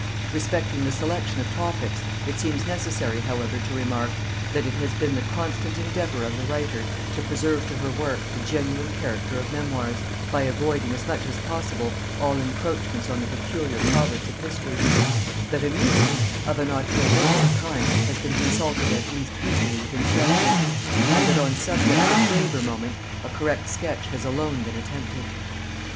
Respecting the selection of topics it seems necessary however to remark, that it has been the constant endeavour of the writer to preserve to her work the genuine character of Memoirs, by avoiding as much as possible all encroachments on the peculiar province of history; that amusement, of a not illiberal kind, has been consulted at least equally with instruction: and that on subjects of graver moment, a correct sketch has alone been attempted.